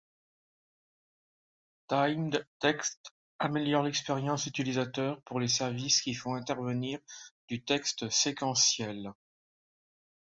Timed Text améliore l'expérience utilisateur pour les services qui font intervenir du texte séquentiel.